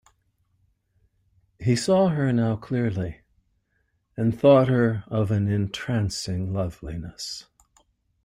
He saw her now clearly, and thought her of an entrancing loveliness.